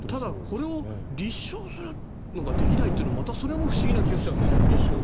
これを立証するのができないというのがまた、それも不思議な気がしちゃうんだよね。